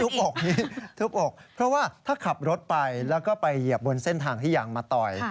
บอกทุบอกเพราะว่าถ้าขับรถไปแล้วก็ไปเหยียบบนเส้นทางที่ยางมาต่อย